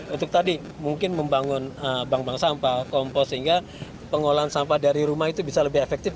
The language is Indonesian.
untuk tadi mungkin membangun bank bank sampah kompos sehingga pengolahan sampah dari rumah itu bisa lebih efektif